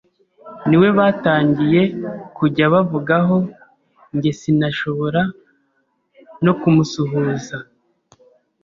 niwe batangiye kujya bavugaho, njye sinashoboraga no kumusuhuza